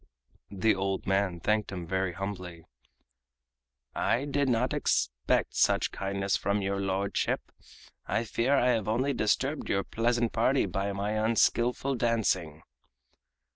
The old man thanked him very humbly: "I did not expect such kindness from your lordship. I fear I have only disturbed your pleasant party by my unskillful dancing."